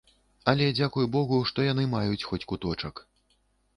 Але дзякуй богу, што яны маюць хоць куточак.